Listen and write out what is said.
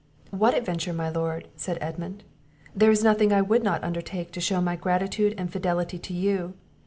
"What adventure, my Lord," said Edmund? "There is nothing I would not undertake to shew my gratitude and fidelity to you.